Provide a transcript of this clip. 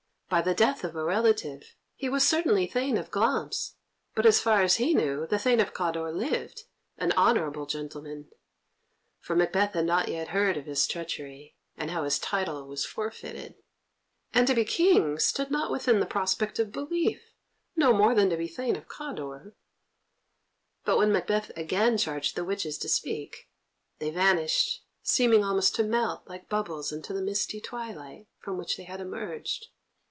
By the death of a relative, he was certainly Thane of Glamis, but, as far as he knew, the Thane of Cawdor lived, an honourable gentleman, for Macbeth had not yet heard of his treachery, and how his title was forfeited. And to be King stood not within the prospect of belief, no more than to be Thane of Cawdor. But when Macbeth again charged the witches to speak, they vanished, seeming almost to melt like bubbles into the misty twilight from which they had emerged.